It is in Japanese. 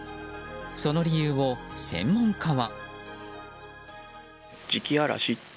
その理由を専門家は。